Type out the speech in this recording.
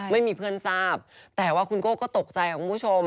ไม่มีเพื่อนทราบแต่ว่าคุณโก้ก็ตกใจคุณผู้ชม